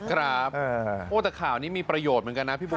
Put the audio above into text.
ครับโอ้แต่ข่าวนี้มีประโยชน์เหมือนกันนะพี่บุ๊